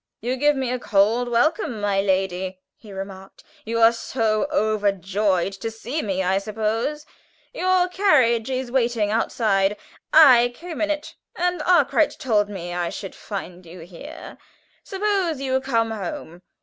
"You give me a cold welcome, my lady," he remarked. "You are so overjoyed to see me, I suppose. Your carriage is waiting outside. I came in it, and Arkwright told me I should find you here. Suppose you come home.